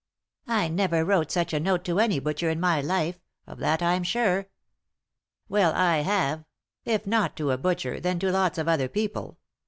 " I never wrote such a note to any butcher in my life, of that I'm sure." " Well, I have ; if not to a butcher, then to lots of other people.